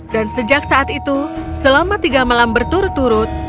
dan sejak saat itu selama tiga malam berturut turut